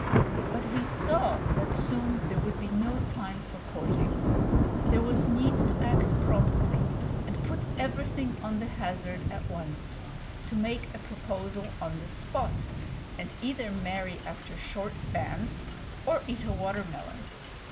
But he saw that soon there would be no time for courting; there was need to act promptly, and put everything on the hazard at once, to make a proposal on the spot, and either marry after short bans or eat a watermelon.